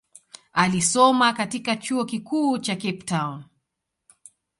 Alisoma katika chuo kikuu cha Cape Town.